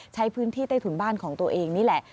ใช้พื้นที่ใต้ถุนบ้านของตัวเองนี่แหละ